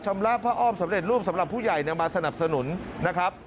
พระอ้อมสำเร็จรูปสำหรับผู้ใหญ่มาสนับสนุนนะครับ